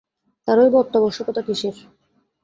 তারই বা অত্যাবশ্যকতা কিসের?